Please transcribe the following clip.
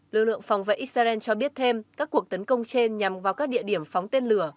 lực lượng phòng vệ israel cho biết thêm các cuộc tấn công trên nhằm vào các địa điểm phóng tên lửa